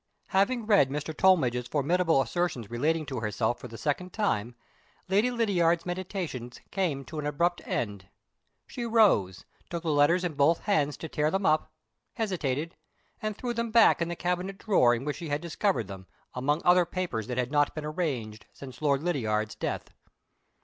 Having read Mr. Tollmidge's formidable assertions relating to herself for the second time, Lady Lydiard's meditations came to an abrupt end. She rose, took the letters in both hands to tear them up, hesitated, and threw them back in the cabinet drawer in which she had discovered them, among other papers that had not been arranged since Lord Lydiard's death.